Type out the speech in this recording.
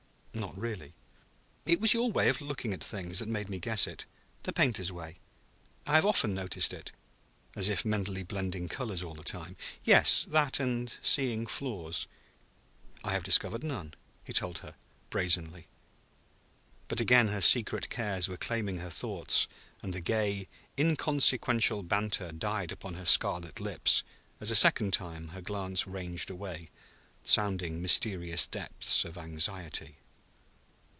"Not really?" "It was your way of looking at things, that made me guess it: the painter's way. I have often noticed it." "As if mentally blending colors all the time?" "Yes; that and seeing flaws." "I have discovered none," he told her brazenly. But again her secret cares were claiming her thoughts, and the gay, inconsequential banter died upon her scarlet lips as a second time her glance ranged away, sounding mysterious depths of anxiety.